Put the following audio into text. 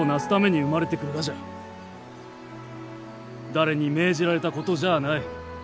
誰に命じられたことじゃあない。